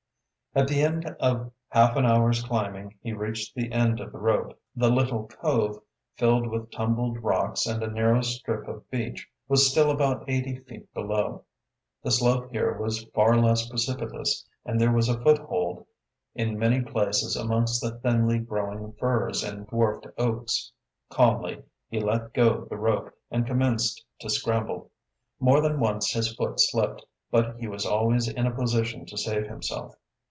At the end of half an hour's climbing, he reached the end of the rope. The little cove, filled with tumbled rocks and a narrow strip of beach, was still about eighty feet below. The slope here was far less precipitous and there was a foothold in many places amongst the thinly growing firs and dwarfed oaks. Calmly he let go the rope and commenced to scramble. More than once his foot slipped, but he was always in a position to save himself.